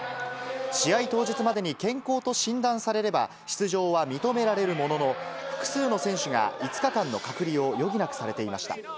試合当日までに健康と診断されれば、出場は認められるものの、複数の選手が５日間の隔離を余儀なくされていました。